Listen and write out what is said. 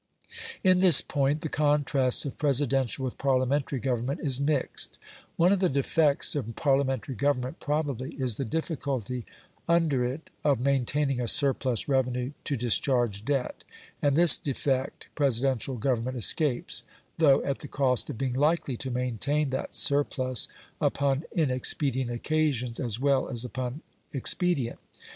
In this point the contrast of Presidential with Parliamentary government is mixed; one of the defects of Parliamentary government probably is the difficulty under it of maintaining a surplus revenue to discharge debt, and this defect Presidential government escapes, though at the cost of being likely to maintain that surplus upon inexpedient occasions as well as upon expedient.